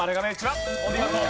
お見事！